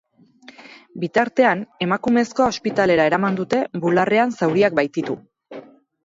Bitartean, emakumezkoa ospitalera eraman dute, bularrean zauriak baititu.